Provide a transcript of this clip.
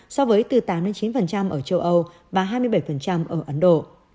so với từ tám chín ở châu âu và hai mươi bảy ở ấn độ